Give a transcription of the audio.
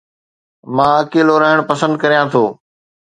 مان اڪيلو رهڻ پسند ڪريان ٿو